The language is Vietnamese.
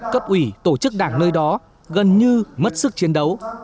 cấp ủy tổ chức đảng nơi đó gần như mất sức chiến đấu